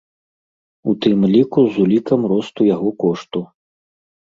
У тым ліку з улікам росту яго кошту.